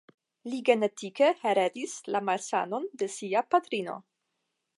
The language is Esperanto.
Li genetike heredis la malsanon de sia patrino.